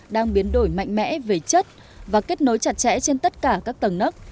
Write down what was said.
đang biến đổi mạnh mẽ về chất và kết nối chặt chẽ trên tất cả các tầng nấc